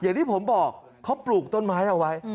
อย่างที่ผมบอกเขาปลูกต้นไม้เอาไว้